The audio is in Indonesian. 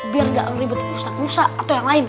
biar gak ngelibet ustaz musa atau yang lain